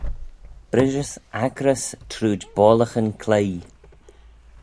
Brishys accyrys trooid boallaghyn cloaie